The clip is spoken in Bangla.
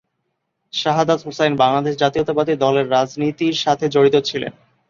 শাহাদাত হোসাইন বাংলাদেশ জাতীয়তাবাদী দলের রাজনীতির সাথে জড়িত ছিলেন।